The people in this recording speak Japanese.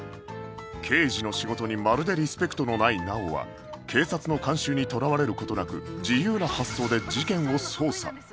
刑事の仕事にまるでリスペクトのない直央は警察の慣習にとらわれる事なく自由な発想で事件を捜査